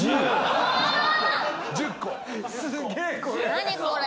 何これ。